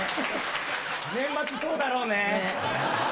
年末そうだろうね。